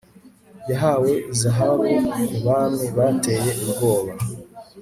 Yahawe zahabu kubami bateye ubwoba